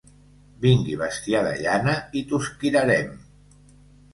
Vingui bestiar de llana i tosquirarem.